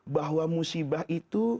bahwa musibah itu